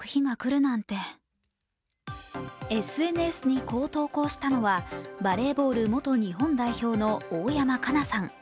ＳＮＳにこう投稿したのはバレーボール元日本代表の大山加奈さん。